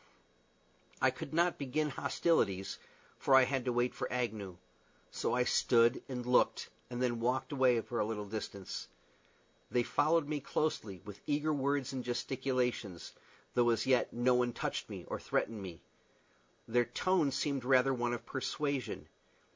I could not begin hostilities, for I had to wait for Agnew; so I stood and looked, and then walked away for a little distance. They followed me closely, with eager words and gesticulations, though as yet no one touched me or threatened me. Their tone seemed rather one of persuasion.